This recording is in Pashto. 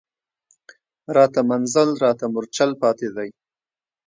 راته منزل راته مورچل پاتي دی